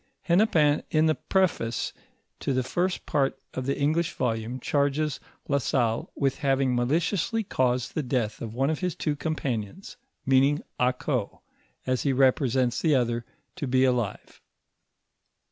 Hennepin in the preface to the first port of the English volume, charges La Salle with having maliciously caused the death of one of his two companions, meaning Ako^ as he represents the other to be alive.